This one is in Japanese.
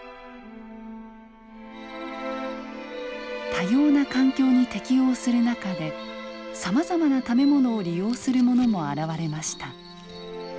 多様な環境に適応する中でさまざまな食べ物を利用するものも現れました。